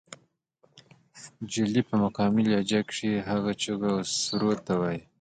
جلۍ پۀ مقامي لهجه کښې هغه چغو او سُورو ته وائي